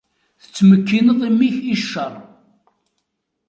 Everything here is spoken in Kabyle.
Tettmekkineḍ imi-k i ccer.